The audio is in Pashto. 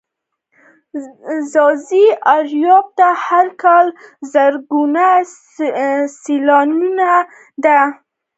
ځاځي اريوب ته هر کال زرگونه سيلانيان د منظرو لپاره ورځي.